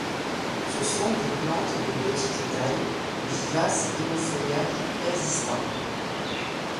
Ce sont plantes de petite taille, vivaces et au feuillage persistant.